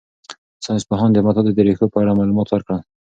ساینس پوهانو د نباتاتو د ریښو په اړه معلومات ورکړل.